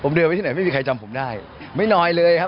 ผมเดินไปที่ไหนไม่มีใครจำผมได้ไม่น้อยเลยครับ